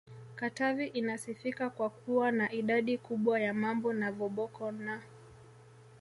Katavi inasifika kwa kuwa na idadi kubwa ya Mambo na voboko n